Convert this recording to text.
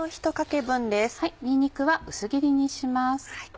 にんにくは薄切りにします。